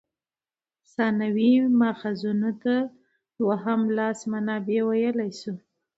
ثانوي ماخذونو ته دوهم لاس منابع ویلای سو.